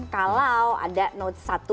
kalau ada no satu dua tiga